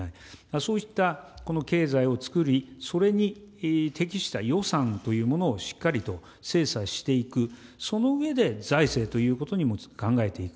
そういったこの経済を作り、それに適した予算というものをしっかりと精査していく、その上で財政ということにも考えていく。